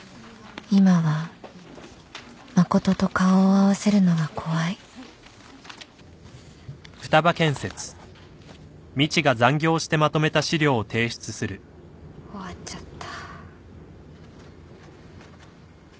今は誠と顔を合わせるのが怖い終わっちゃった。